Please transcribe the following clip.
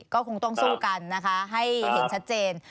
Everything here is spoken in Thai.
ก็คงต้องสู้กันนะคะให้เห็นชัดเจน